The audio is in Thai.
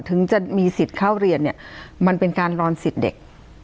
ถึงจะมีสิทธิ์เข้าเรียนเนี่ยมันเป็นการรอนสิทธิ์เด็ก